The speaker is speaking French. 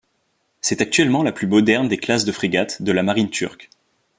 C'est actuellement la plus moderne des classes de frégates de la marine turque.